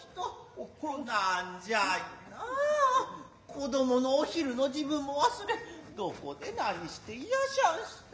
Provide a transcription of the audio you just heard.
子供のお昼の時分も忘れ何処で何にして居やしゃんした。